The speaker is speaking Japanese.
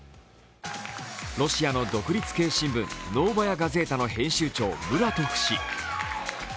ロシアの独立系新聞「ノーバヤ・ガゼータ」の編集長、ムラトフ氏。